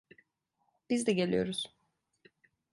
Biz de geliyoruz.